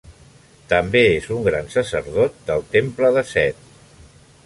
També és un gran sacerdot del temple de Set.